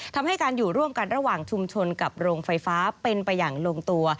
ทำให้การอยู่ร่วมกันระหว่างชุมชนกับโรงไฟฟ้าเป็นไปอย่างลงตัว